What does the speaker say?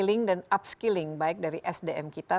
scaling dan upscaling baik dari sdm kita